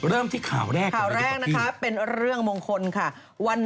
เริ่มที่ข่าวแรกข่าวแรกนะคะเป็นเรื่องมงคลค่ะ